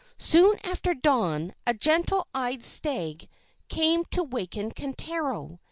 Soon after dawn, a gentle eyed stag came to waken Kintaro.